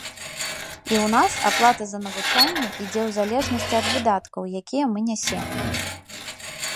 І ў нас аплата за навучанне ідзе ў залежнасці ад выдаткаў, якія мы нясем.